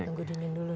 tunggu dingin dulu